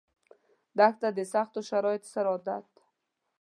دښته د سختو شرایطو سره عادت ده.